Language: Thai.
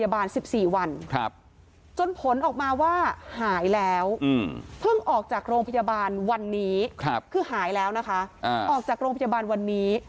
บานวันนี้คือหายแล้วนะคะออกจากโรงพยาบาลวันนี้